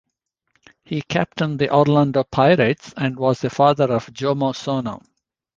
He captained the Orlando Pirates and was the father of Jomo Sono.